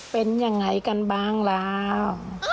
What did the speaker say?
เป็นยังไงกันบ้างแล้ว